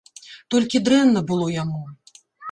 Толькі дрэнна было яму.